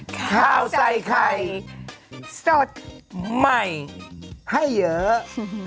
ข้าวใส่ไข่สดใหม่ให้เยอะครับผมค่ะครับผม